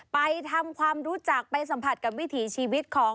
ไปทำความรู้จักไปสัมผัสกับวิถีชีวิตของ